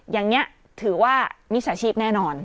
อย่างนี้ถือว่ามิจฉาชีพแน่นอน